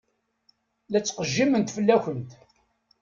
La ttqejjiment fell-akent.